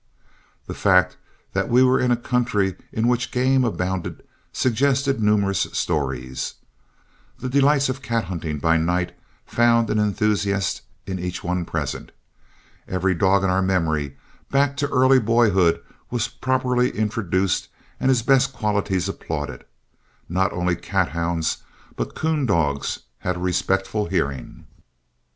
The fact that we were in a country in which game abounded suggested numerous stories. The delights of cat hunting by night found an enthusiast in each one present. Every dog in our memory, back to early boyhood, was properly introduced and his best qualities applauded. Not only cat hounds but coon dogs had a respectful hearing.